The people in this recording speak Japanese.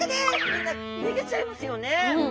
みんな逃げちゃいますよね。